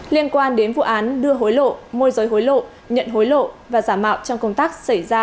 liên quan đến vụ án đưa hối lộ môi giới hối lộ nhận hối lộ và giả mạo trong công tác xảy ra